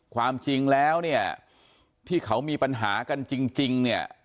ความจริงแล้วเนี่ยที่เขามีปัญหากันจริงเนี่ย